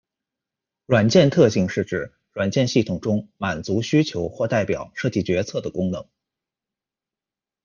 软件特性是指软件系统中满足需求或代表设计决策的功能。